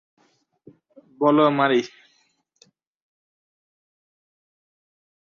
বল, মারি।